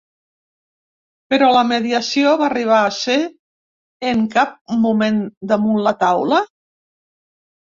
Però la mediació va arribar a ser en cap moment damunt la taula?